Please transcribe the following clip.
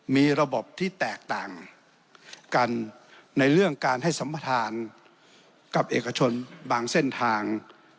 มีระบบที่แตกต่างกันในเรื่องการให้สัมประธานกับเอกชนบางเส้นทาง